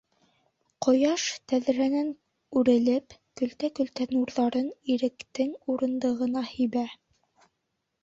Ҡояш, тәҙрәнән үрелеп, көлтә-көлтә нурҙарын Иректең урындығына һибә.